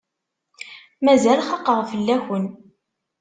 Mazal xaqeɣ fell-aken.